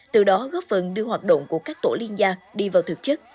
từ đó góp phần đưa hoạt động của các tổ liên gia đi vào thực chất